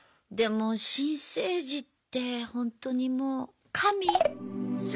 新生児ってほんとにもう神。